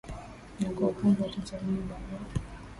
na kwa upande wa tanzania baroo